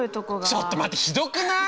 ちょっと待ってひどくない！？